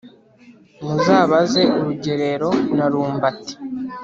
muzabaze rugerero na rumbati.